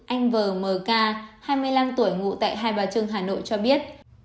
anh vờ m k hai mươi năm tuổi ngủ tại hai bà trưng hà nội cho biết